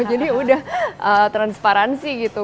jadi udah transparansi gitu